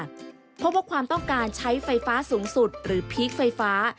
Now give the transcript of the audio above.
เพราะว่าความต้องการใช้ไฟฟ้าสูงสุดหรือพีคไฟฟ้า